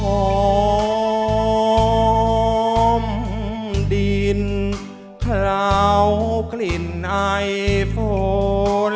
หอมดินคลาวกลิ่นไอฟ้น